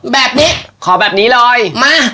แบบนี้ขอแบบนี้เลยมา